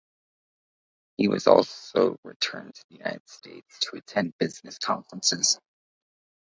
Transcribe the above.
He was also returned to the United States to attend business conferences.